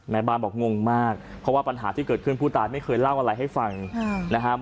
แม่บ้านบอกงงมากเพราะว่าปัญหาที่เกิดขึ้นผู้ตายไม่เคยเล่าอะไรให้ฟังนะครับ